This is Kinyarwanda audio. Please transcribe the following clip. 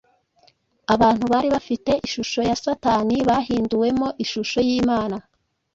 Abantu bari bafite ishusho ya Satani bahinduwemo ishusho y’Imana.